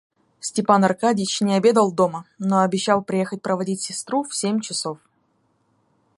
Степан Аркадьич не обедал дома, но обещал приехать проводить сестру в семь часов.